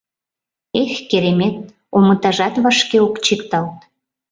«Эх, керемет, омытажат вашке ок чикталт!..»